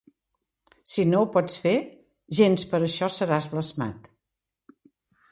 Si no ho pots fer, gens per això seràs blasmat.